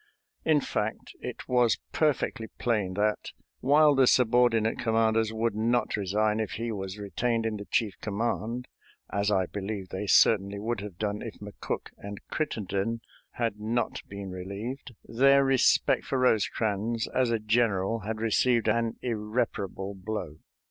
In fact, it was perfectly plain that, while the subordinate commanders would not resign if he was retained in the chief command, as I believe they certainly would have done if McCook and Crittenden had not been relieved, their respect for Rosecrans as a general had received an irreparable blow.